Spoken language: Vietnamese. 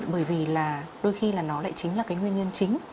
bởi vì là đôi khi là nó lại chính là cái nguyên nhân chính